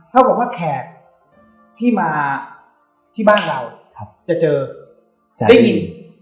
เท่ากับว่าแขกที่มาที่บ้านเราจะเจอได้ยิน